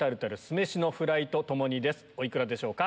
お幾らでしょうか？